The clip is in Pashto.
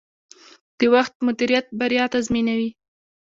د وخت مدیریت بریا تضمینوي.